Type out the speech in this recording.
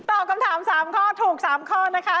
ตอบคำถาม๓ข้อถูก๓ข้อนะคะ